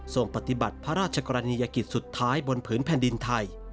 ปฏิบัติพระราชกรณียกิจสุดท้ายบนผืนแผ่นดินไทย